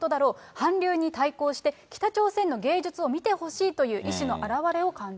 韓流に対抗して、北朝鮮の芸術を見てほしいという意思の表れを感じる。